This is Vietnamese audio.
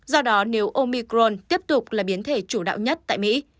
do đó nếu omicron tiếp tục là biến thể chủ đạo nhất tại mỹ